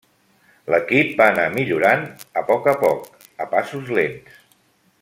L'equip va anar millorant a poc a poc a passos lents.